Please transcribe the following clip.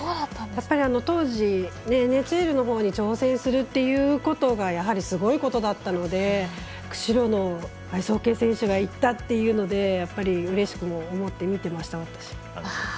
やっぱり当時、ＮＨＬのほうに挑戦するということがやはり、すごいことだったので釧路のアイスホッケー選手がいったっていうのでやっぱりうれしくも思って私、見てました。